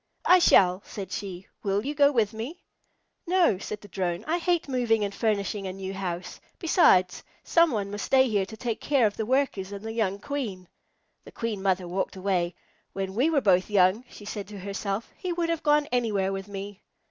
"I shall," said she. "Will you go with me?" "No," said the Drone. "I hate moving and furnishing a new house. Besides, somebody must stay here to take care of the Workers and the young Queen." The Queen Mother walked away. "When we were both young," she said to herself, "he would have gone anywhere with me."